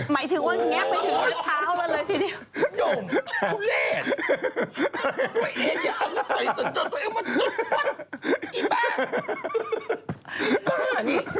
หมายถึงว่าแงบไปถึงกระดูกขาเขามาเลยทีนี้